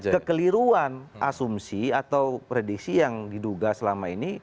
kekeliruan asumsi atau prediksi yang diduga selama ini